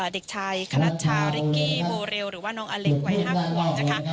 เด็กชายคณัชชาริกกี้โมเรลหรือว่าน้องอเล็กวัย๕ขวบนะคะ